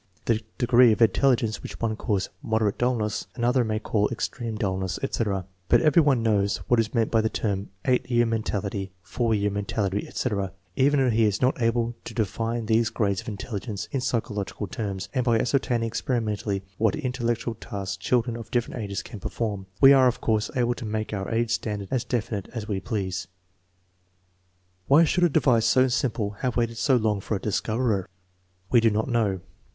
The degree of intelligence which one calls " moderate dullness," another may call "extreme dullness," etc. But every one knows what is meant by the term 8 year mentality, 4 year mentality, etc., even if he is not able to define these grades of intelligence in psychological terms; and by ascertaining experimentally what intellectual tasks children of different ages can perform, we are, of course, able to make our age standards as definite as we please. Why should a device so simple have waited so long for a discoverer? We do not know.